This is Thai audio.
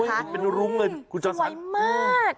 หรือรุ้งเลยส่วยมาก